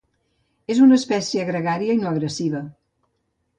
És una espècie gregària i no agressiva.